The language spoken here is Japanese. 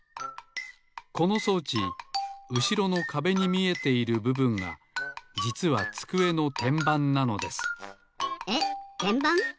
この装置うしろのかべに見えているぶぶんがじつはつくえのてんばんなのですえってんばん？